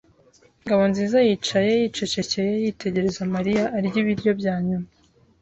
Ngabonziza yicaye yicecekeye yitegereza Mariya arya ibiryo bya nyuma.